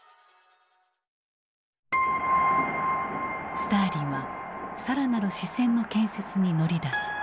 スターリンは更なる支線の建設に乗り出す。